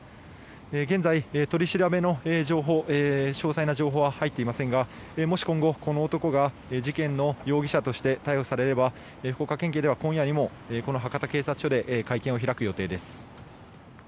現在、取り調べの詳細な情報は入っていませんがもし今後、この男が事件の容疑者として逮捕されれば福岡県警では今夜にも博多警察署で会見を開く予定です。